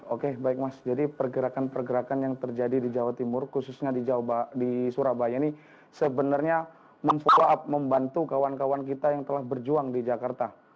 oke baik mas jadi pergerakan pergerakan yang terjadi di jawa timur khususnya di surabaya ini sebenarnya memfokul up membantu kawan kawan kita yang telah berjuang di jakarta